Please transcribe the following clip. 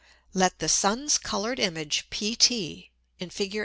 Let the Sun's coloured Image PT [in _Fig.